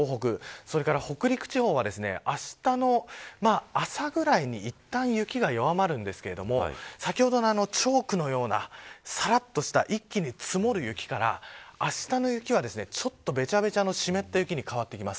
それから北陸地方は、あしたの朝ぐらいに、いったん雪が弱まるのですが先ほどのチョークのようなさらっとした一気に積もる雪からあしたの雪は、ちょっとべちゃべちゃの湿った雪に変わります。